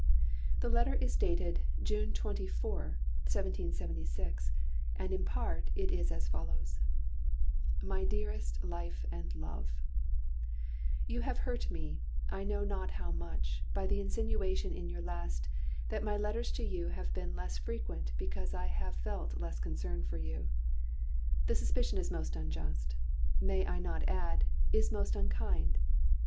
The letter is dated "June 24, 1776," and in part is as follows: "MY DEAREST LIFE AND LOVE: "You have hurt me, I know not how much, by the insinuation in your last, that my letters to you have been less frequent because I have felt less concern for you. "The suspicion is most unjust; may I not add, is most unkind.